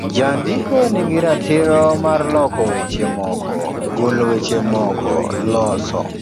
Jandiko nigi ratiro mar loko weche moko, golo weche moko, loso